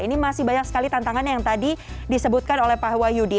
ini masih banyak sekali tantangan yang tadi disebutkan oleh pak wahyudi